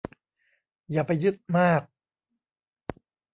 อย่าไปยึดมาก